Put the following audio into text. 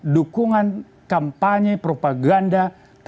dukungan kampanye propaganda